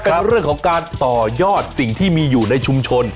เป็นเรื่องของการต่อยอดสิ่งที่มีอยู่ในชุมชน